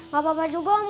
gak mau ganti baju gong